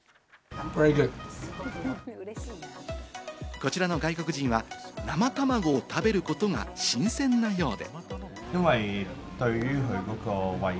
こちらの外国人は生卵を食べることが新鮮なようで。